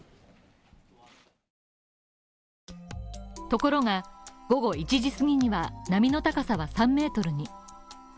ところが午後１時すぎには、波の高さは３ｍに。